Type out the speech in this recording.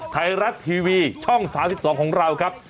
ไทยรัฐทีวีช่อง๓๒ของเราครับ